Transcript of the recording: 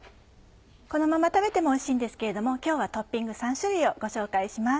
このまま食べてもおいしいんですけれども今日はトッピング３種類をご紹介します。